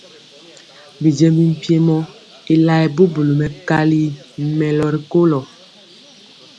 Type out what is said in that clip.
Bijiémbi mpiemɔ y laɛɛ bubuli mɛkali mɛlɔ ri kolo.